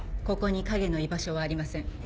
ここに影の居場所はありません。